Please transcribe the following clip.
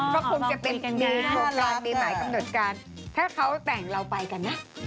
เริ่มควรจะเป็นปีของการปีหมายกำหนดการถ้าเขาแต่งเราไปกันนะ